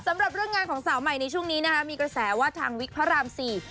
สำหรับเรื่องงานของสาวใหม่ในช่วงนี้นะคะมีกระแสว่าทางวิกพระรามสี่